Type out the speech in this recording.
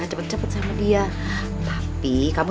semua tentang kamu